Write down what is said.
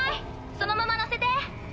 そのままのせて。